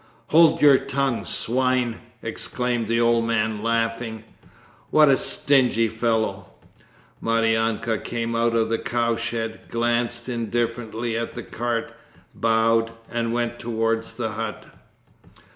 'Hold your tongue, swine!' exclaimed the old man, laughing. 'What a stingy fellow!' Maryanka came out of the cowshed, glanced indifferently at the cart, bowed and went towards the hut.